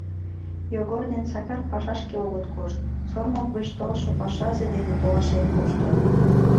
Йогор ден Сакар пашашке огыт кошт, Сормов гыч толшо пашазе дене толашен коштыт.